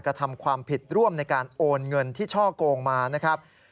กระทำความผิดร่วมในการโอนเงินที่ช่อโกงมานะครับ